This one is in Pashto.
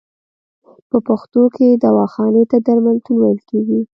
په پښتو کې دواخانې ته درملتون ویل کیږی.